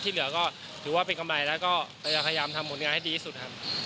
เหลือก็ถือว่าเป็นกำไรแล้วก็พยายามทำผลงานให้ดีที่สุดครับ